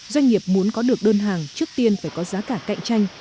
doanh nghiệp muốn có được đơn hàng trước tiên phải có giá cả cạnh tranh